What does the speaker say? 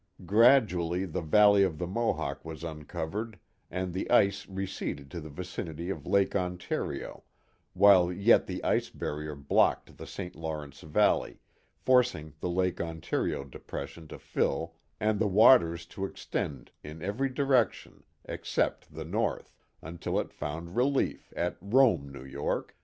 Gradually the valley of the Mohawk was uncovered, and the ice receded to the vicinity of Lake Ontario, while yet the ice barrier blocked the St. Lawrence Valley, forcing the Lake Ontario depression to fill and the waters to extend in every direction except the 364 The Mohawk Valley north, until it found relief at Rome, New Vork.